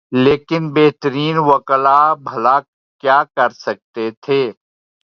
لیکن بہترین وکلا بھلا کیا کر سکتے تھے۔